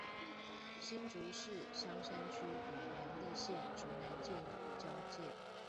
新竹市香山區與苗栗縣竹南鎮交界